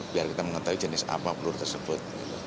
biar kita mengetahui jenis apa peluru tersebut